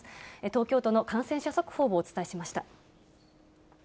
東京都の感染者速報をお伝えしました。